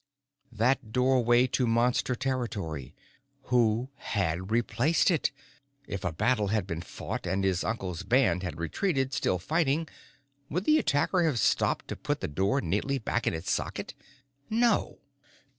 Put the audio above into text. That doorway to Monster territory: who had replaced it? If a battle had been fought, and his uncle's band had retreated, still fighting, would the attacker have stopped to put the door neatly back in its socket? No.